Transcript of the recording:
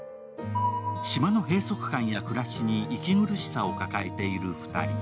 島の閉塞感や暮らしに息苦しさを抱えている２人。